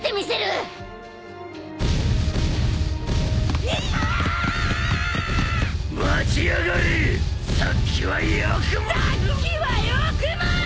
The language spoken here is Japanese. さっきはよくも。